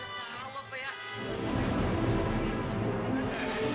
udah minta aloh kayak